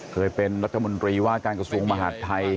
เคยเป็นรัฐมนตรีว่าการกระทรวงมหาดไทย